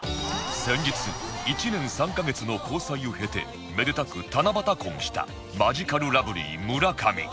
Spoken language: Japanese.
先日１年３カ月の交際を経てめでたく七夕婚したマヂカルラブリー村上